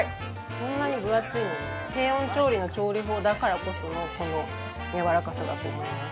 こんなに分厚いのに低温調理の調理法だからこそのやわらかさだと思います。